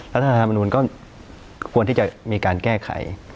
รัฐธรรมนุนก็ควรที่จะมีการแก้ไข